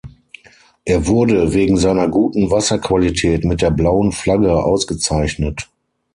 Er wurde wegen seiner guten Wasserqualität mit der Blauen Flagge ausgezeichnet.